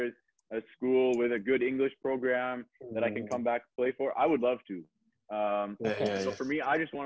ada sekolah dengan program bahasa inggris yang bagus